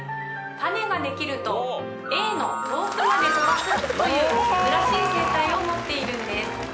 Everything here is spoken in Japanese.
種ができるとＡの遠くまで飛ばすという珍しい生態を持っているんです。